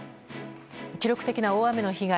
記録的な大雨の被害。